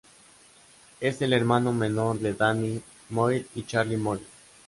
Es el hermano menor de Danny Moir y Charlie Moir.